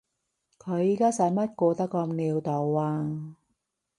佢而家使乜過得咁潦倒啊？